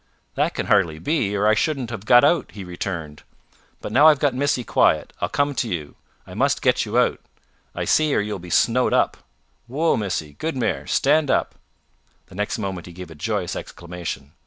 "That can hardly be, or I shouldn't have got out," he returned. "But now I've got Missy quiet, I'll come to you. I must get you out, I see, or you will be snowed up. Woa, Missy! Good mare! Stand still." The next moment he gave a joyous exclamation.